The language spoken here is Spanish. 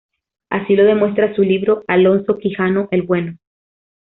Así lo demuestra su libro "Alonso Quijano el Bueno.